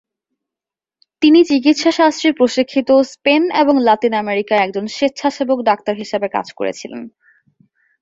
তিনি চিকিৎসাশাস্ত্রে প্রশিক্ষিত, স্পেন এবং লাতিন আমেরিকায় একজন স্বেচ্ছাসেবক ডাক্তার হিসাবে কাজ করেছিলেন।